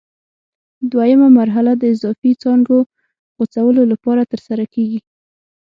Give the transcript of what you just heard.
دوه یمه مرحله د اضافي څانګو غوڅولو لپاره ترسره کېږي.